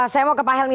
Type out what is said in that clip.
saya mau ke pak helmy